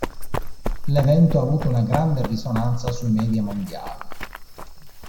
L'evento ha avuto una grande risonanza sui media mondiali.